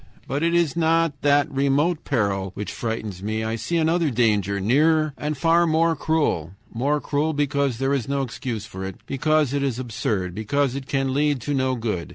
But it is not that remote peril which frightens me. I see another danger, nearer and far more cruel; more cruel because there is no excuse for it, because it is absurd, because it can lead to no good.